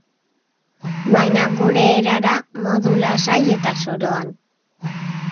Baina gure erara, modu lasai eta zoroan.